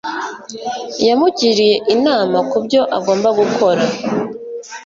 yamugiriye inama kubyo agomba gukora